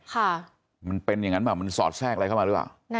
ค่ะมันเป็นอย่างนั้นป่ะมันสอดแทรกอะไรเข้ามาหรือเปล่า